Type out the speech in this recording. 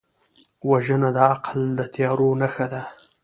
وژنه د عقل د تیارو نښه ده